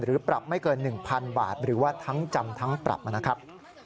ปรับไม่เกิน๑๐๐๐บาทหรือว่าทั้งจำทั้งปรับนะครับ